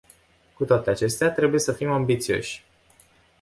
Cu toate acestea, trebuie să fim ambițioși.